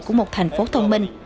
của một thành phố thông minh